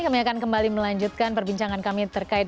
kami akan kembali melanjutkan perbincangan kami terkait